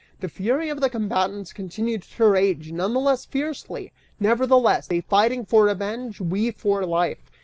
The fury of the combatants continued to rage none the less fiercely, nevertheless, they fighting for revenge, we for life.